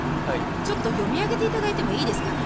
ちょっと読み上げていただいてもいいですかね？